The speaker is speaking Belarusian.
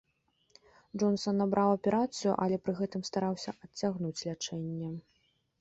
Джонсан абраў аперацыю, але пры гэтым стараўся адцягнуць лячэнне.